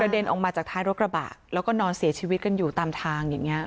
เด็นออกมาจากท้ายรถกระบะแล้วก็นอนเสียชีวิตกันอยู่ตามทางอย่างนี้